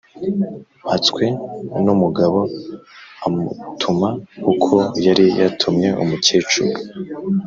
mpatswenumugabo, amutuma uko yari yatumye umukecuru.